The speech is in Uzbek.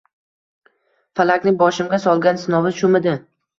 Falakning boshimga solgan sinovi shumidi?